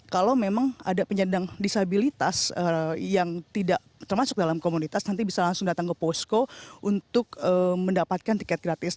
kalau memang ada penyandang disabilitas yang tidak termasuk dalam komunitas nanti bisa langsung datang ke posko untuk mendapatkan tiket gratis